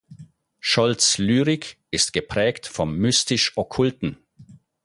Scholz’ Lyrik ist geprägt vom Mystisch-Okkulten.